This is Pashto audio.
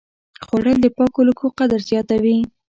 خوړل د پاکو لوښو قدر زیاتوي